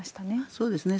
そうですね。